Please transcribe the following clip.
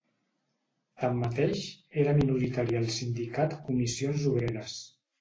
Tanmateix, era minoritari al sindicat Comissions Obreres.